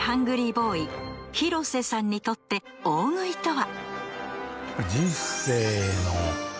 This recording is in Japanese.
ボーイ広瀬さんにとって大食いとは？